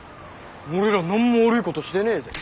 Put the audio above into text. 俺ら何も悪いことしてねえぜ。